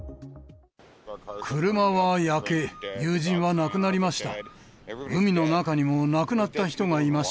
車は焼け、友人は亡くなりました。